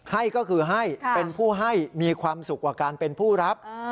ให้ก็คือให้เป็นผู้ให้มีความสุขกว่าการเป็นผู้รับ